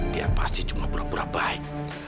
dia pasti cuma pura pura baik